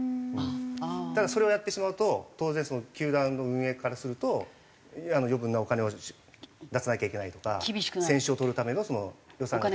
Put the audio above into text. ただそれをやってしまうと当然球団の運営からすると余分なお金を出さなきゃいけないとか選手をとるための予算が。